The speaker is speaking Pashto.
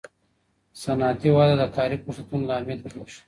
صنعتي وده د کاري فرصتونو لامل کیږي.